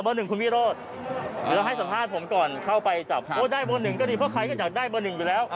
เบอร์๑คุณวิโรธแล้วให้สัมภาษณ์ผมก่อนเข้าไปจับโอ้ได้เบอร์๑ก็ดีเพราะใครก็อยากได้เบอร์๑ไปแล้ว